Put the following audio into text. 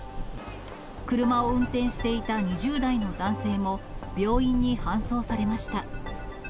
車を運転していた２０代の男性も、病院に搬送されました。